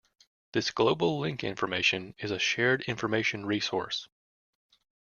This global link information is a shared information resource.